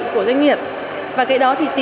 của doanh nghiệp và cái đó thì